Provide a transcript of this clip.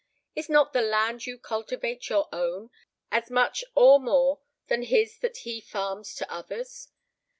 Is not the land you cultivate your own, as much or more than his that he farms to others?